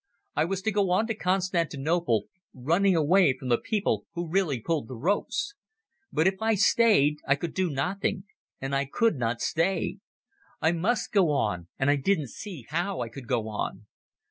I was to go on to Constantinople, running away from the people who really pulled the ropes. But if I stayed I could do nothing, and I could not stay. I must go on and I didn't see how I could go on.